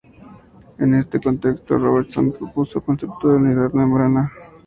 En este contexto, Robertson propuso el concepto de "unidad de membrana".